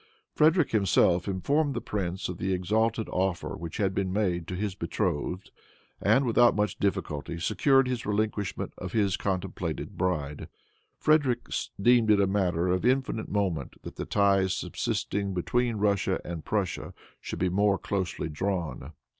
Frederic himself informed the prince of the exalted offer which had been made to his betrothed, and without much difficulty secured his relinquishment of his contemplated bride. Frederic deemed it a matter of infinite moment that the ties subsisting between Russia and Prussia should be more closely drawn.